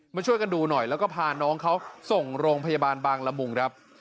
มาช่วยกันดูหน่อยแล้วก็พาน้องเขาส่งโรงพยาบาลบางละมุงครับ